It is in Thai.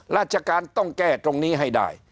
ราชการต้องแก้ตรงนี้ให้ได้